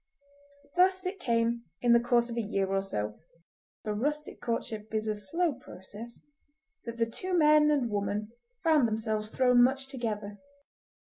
Thus it came, in the course of a year or so, for rustic courtship is a slow process, that the two men and woman found themselves thrown much together.